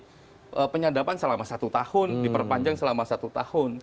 jadi penyadapan selama satu tahun diperpanjang selama satu tahun